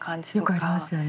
よくありますよね。